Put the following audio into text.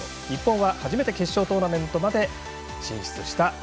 日本は初めて決勝トーナメントまで進出した